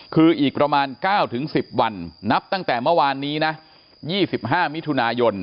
คืออีกประมาณ๙๑๐วันนับตั้งแต่เมื่อวานนี้นะ๒๕มิถุนายน